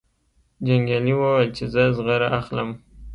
جنګیالي وویل چې زه زغره اخلم.